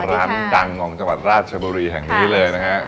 ร้านดังของจังหวัดราชบุรีแห่งนี้เลยนะฮะ